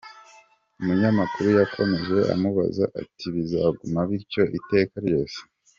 Umunyamakuru yakomeje amubaza ati “Bizaguma bityo iteka ryose ?